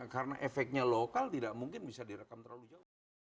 karena efeknya lokal tidak mungkin bisa direkam terlalu jauh